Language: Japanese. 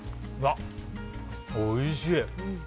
おいしい！